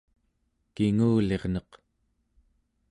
kingulirneq